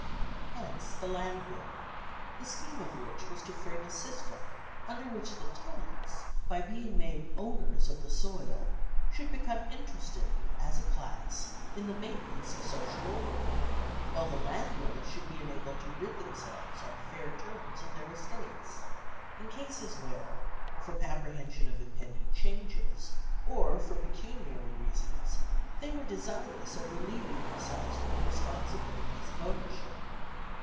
Hence the Land Bill, the scheme of which was to frame a system under which the tenants, by being made owners of the soil, should become interested as a class in the maintenance of social order, while the landlords should be enabled to rid themselves on fair terms of their estates, in cases where, from apprehension of impending changes, or for pecuniary reasons, they were desirous of relieving themselves from the responsibilities of ownership.